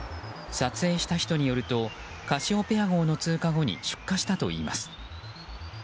撮影した人によると「カシオペア号」の通過後に出火したといいます。